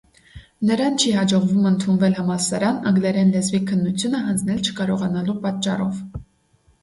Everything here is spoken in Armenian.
Նրան չի հաջողվում ընդունվել համալսարան՝ անգլերեն լեզվի քննությունը հանձնել չկարողանալու պատճառով։